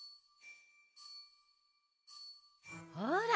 ほら。